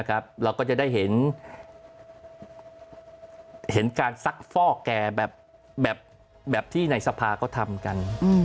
ครับเราก็จะได้เห็นแบบที่ในสะพาก็ทำกัน